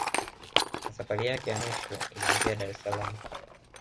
Na safari yake ya mwisho ilianzia Dar es saalam